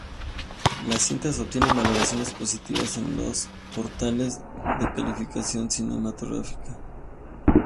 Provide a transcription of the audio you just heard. La cinta obtiene valoraciones positivas en los portales de información cinematográfica.